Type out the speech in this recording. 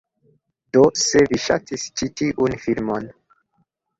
Do, se vi ŝatis ĉi tiun filmon